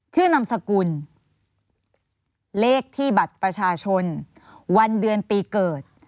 นามสกุลเลขที่บัตรประชาชนวันเดือนปีเกิด